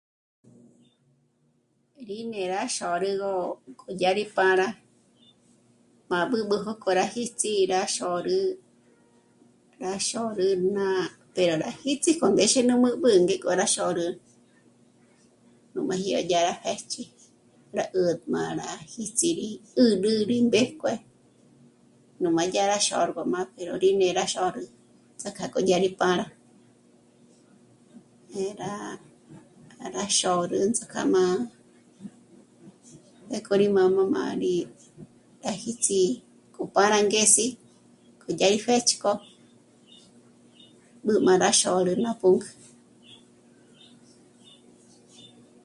Rí né'e rá xôrügö k'o dyá rí pâ'a rá mâb'ügö kjo rá jíts'i rá xôrü. rá xôrü ná ndé rá jíts'i k'o nú téxe ná mbǘb'ü ngéko rá xôrü nú májyâra juéch'i rá 'ät' m'á rá jìts'ibi 'ä́rä mí mbéjkue nú m'á dyá rá xôrgü m'a ó rí né'e ra xôrgü ts'ak'a k'o dyá rí pâra eh... rá... rá xôrü ts'ák'a m'á pjéko rí mā̀'mā m'a rí jë́ts'i k'o pára angezi k'o dyá í pjë́ch'k'o b'ü m'á rá xôrü ná pǔnk'ü